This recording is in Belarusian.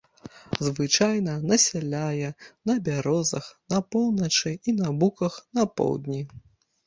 Звычайна насяляе на бярозах на поўначы і на буках на поўдні.